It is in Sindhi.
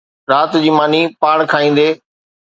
رات جي ماني پاڻ کائيندي